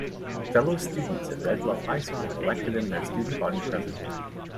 Fellow students at Red Bluff High School elected him their student body president.